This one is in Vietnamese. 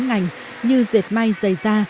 ngành như dệt may dày da